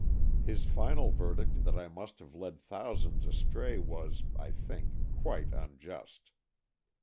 His final verdict that I must have led thousands astray was, I think, quite unjust.